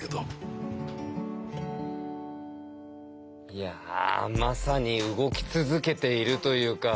いやまさに動き続けているというか。